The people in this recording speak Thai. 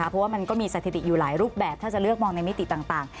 เพราะว่ามันก็มีสถิติอยู่หลายรูปแบบถ้าจะเลือกมองในมิติต่าง